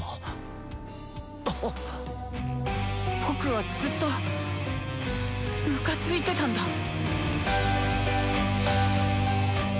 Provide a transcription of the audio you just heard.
僕はずっとムカついてたんだ。